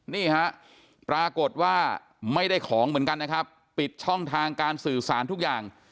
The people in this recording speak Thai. นี่ฮะปรากฏว่าไม่ได้ของเหมือนกันนะครับปิดช่องทางการสื่อสารทุกอย่าง